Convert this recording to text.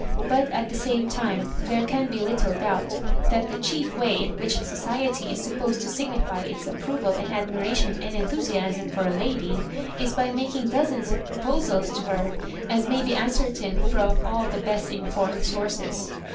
But, at the same time, there can be little doubt that the chief way in which society is supposed to signify ite approved and admiration and enthusiasm for a lady, is by mak ing dozens of proposals to her, as may be ascer tained from all the be8t4nformed sources.